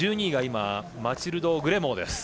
１２位が今、マチルド・グレモー。